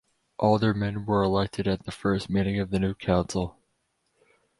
Aldermen were elected at the first meeting of the new council.